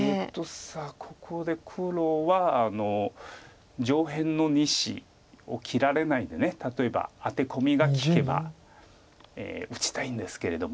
さあここで黒は上辺の２子を切られないで例えばアテコミが利けば打ちたいんですけれども。